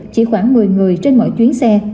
chỉ khoảng một mươi người trên mỗi chuyến xe